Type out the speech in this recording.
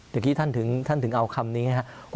เดี๋ยวกี้ท่านถึงเอาคำนี้ไงค่ะ